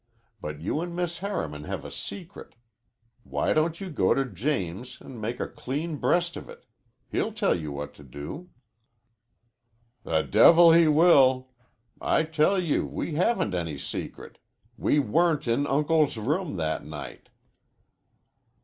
But you an' Miss Harriman have a secret. Why don't you go to James an' make a clean breast of it? He'll tell you what to do." "The devil he will! I tell you we haven't any secret. We weren't in Uncle's rooms that night."